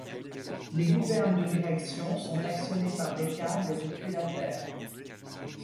Les gouvernes de direction sont actionnées par des câbles depuis la terre.